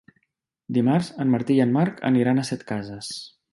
Dimarts en Martí i en Marc aniran a Setcases.